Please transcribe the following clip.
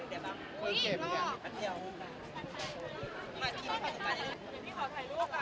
พี่ขอถ่ายรูปอ่ะพี่ขอนิดนึงนะคะ